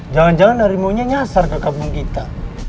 jangan jangan harimau nya nyasar ke kampung kita